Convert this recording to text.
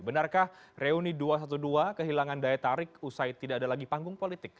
benarkah reuni dua ratus dua belas kehilangan daya tarik usai tidak ada lagi panggung politik